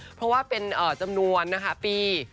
เพราะว่าเป็นจำนวนพี่